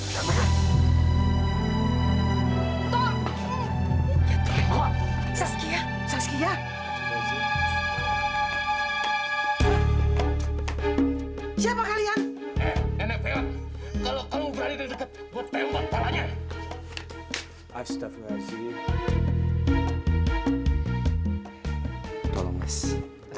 sampai jumpa di video selanjutnya